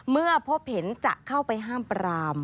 เมื่อพบเห็นจะเข้าไปห้ามปราม